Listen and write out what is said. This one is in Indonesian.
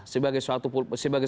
sebagai seorang pemerintah